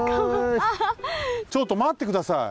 ちょっとまってください！